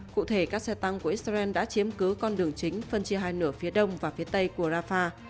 cụ thể các xe tăng của israel đã chiếm cứ con đường chính phân chia hai nửa phía đông và phía tây của rafah